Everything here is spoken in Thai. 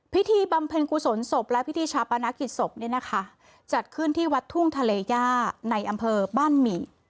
บำเพ็ญกุศลศพและพิธีชาปนกิจศพเนี่ยนะคะจัดขึ้นที่วัดทุ่งทะเลย่าในอำเภอบ้านหมี่